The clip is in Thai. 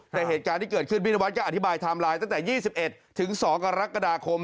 แต่เหตุการณ์ที่เกิดขึ้นพี่นวัดก็อธิบายไทม์ไลน์ตั้งแต่๒๑๒กรกฎาคม